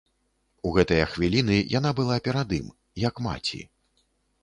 У гэтыя хвіліны яна была перад ім, як маці.